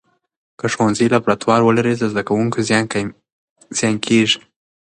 که ښوونځي لابراتوار ولري، د زده کوونکو زیان کېږي.